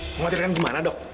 mengkhawatirkan gimana dok